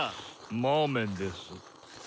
魔ーメンです。